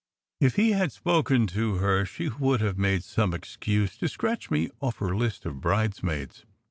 If he had spoken to her she would have made some excuse to scratch me off her list of bridesmaids.